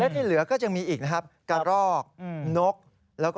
๓คือหมูป่า